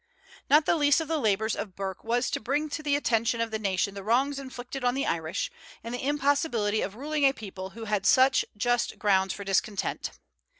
Not the least of the labors of Burke was to bring to the attention of the nation the wrongs inflicted on the Irish, and the impossibility of ruling a people who had such just grounds for discontent.